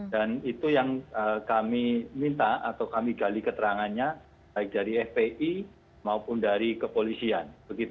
dan itu yang kami minta atau kami gali keterangannya baik dari fpi maupun dari kepolisian